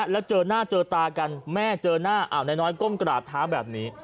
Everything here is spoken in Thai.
แล้วเจอหน้าเจอตากันแม่เจอหน้าอ้าวนายน้อยก้มกราบเท้าแบบนี้